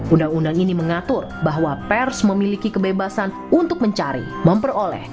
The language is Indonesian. undang undang ini mengatur bahwa pers memiliki kebebasan untuk mencari memperoleh